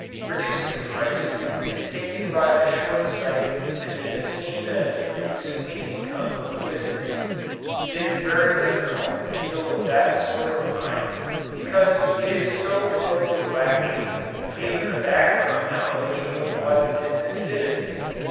Reducing prices is taken by the short sighted to be the same as reducing the income of a business. It is very difficult to deal with that sort of a mind because it is so totally lacking in even the background knowledge of what business is.